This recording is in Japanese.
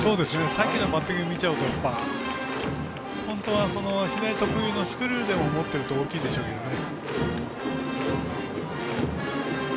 さっきのバッティング見ちゃうと本当は、左特有のスクリューでも持ってると大きいでしょうけどね。